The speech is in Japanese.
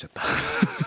アハハハ。